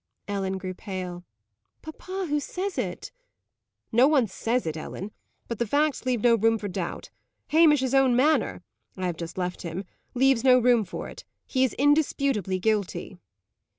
Ellen grew pale. "Papa, who says it?" "No one says it, Ellen. But the facts leave no room for doubt. Hamish's own manner I have just left him leaves no room for it. He is indisputably guilty."